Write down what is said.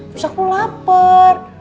terus aku lapar